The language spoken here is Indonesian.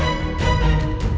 aku akan menang